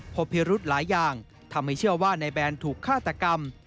พิรุธหลายอย่างทำให้เชื่อว่านายแบนถูกฆาตกรรม